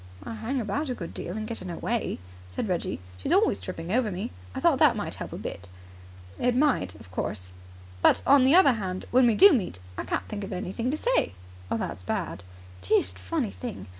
"I hang about a good deal and get in her way," said Reggie. "She's always tripping over me. I thought that might help a bit." "It might, of course." "But on the other hand, when we do meet, I can't think of anything to say." "That's bad." "Deuced funny thing.